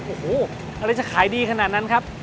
โอ้โหอะไรจะขายดีขนาดนั้นครับ